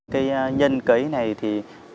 cái nhân cấy này thì